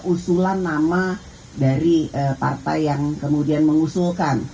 usulan nama dari partai yang kemudian mengusulkan